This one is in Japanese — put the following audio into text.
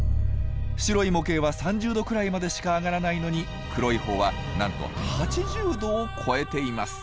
白い模型は３０℃くらいまでしか上がらないのに黒い方はなんと８０℃を超えています。